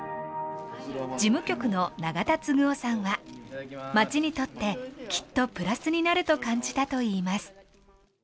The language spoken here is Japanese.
事務局の長田次夫さんは町にとってきっとプラスになると感じたといいます。